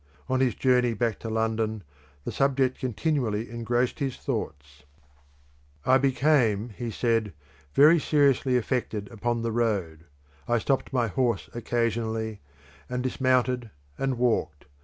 On his journey back to London the subject continually engrossed his thoughts. "I became," he says, "very seriously affected upon the road. I stopped my horse occasionally, and dismounted and walked.